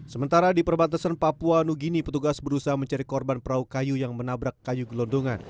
sementara di perbatasan papua nugini petugas berusaha mencari korban perahu kayu yang menabrak kayu gelondongan